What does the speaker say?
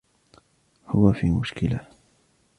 هو في مشكلة.